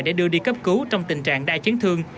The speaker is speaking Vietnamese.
để đưa đi cấp cứu trong tình trạng đai chiến thương